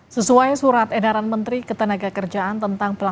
kepada ministeri ketenagakerjaan who likes thr